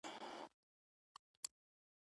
او په کتابي بڼه چاپول دي